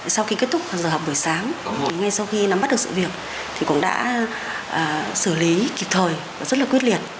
sau khi kết thúc giờ học buổi sáng ngay sau khi nắm bắt được sự việc thì cũng đã xử lý kịp thời rất là quyết liệt